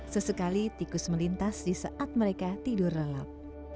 sesekali tikus melintas di saat mereka tidur lelap